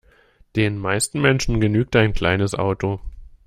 Den meisten Menschen genügt ein kleines Auto.